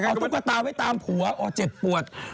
เอาตุ๊กตาไปตามผัวโอ้เจ็ดปวด